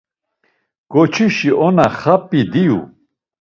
Ǩoçişi ona xap̌i diyu.